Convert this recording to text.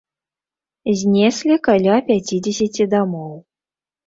Знеслі каля пяцідзесяці дамоў.